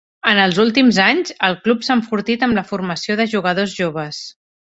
En els últims anys, el club s'ha enfortit amb la formació de jugadors joves.